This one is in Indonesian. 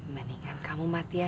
mendingan kamu mati aja